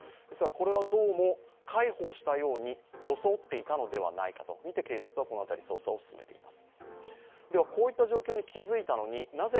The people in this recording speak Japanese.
これはどうも介抱したように装っていたのではないかとみて警察はこの辺り捜査を調べています。